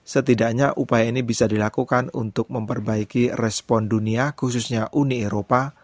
setidaknya upaya ini bisa dilakukan untuk memperbaiki respon dunia khususnya uni eropa